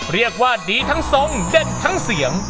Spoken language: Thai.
เรียกว่าดีทั้งทรงเด็ดทั้งเสียง